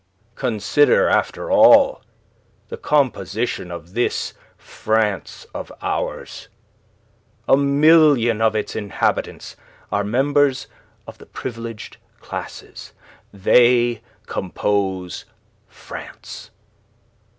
"Consider, after all, the composition of this France of ours. A million of its inhabitants are members of the privileged classes. They compose France.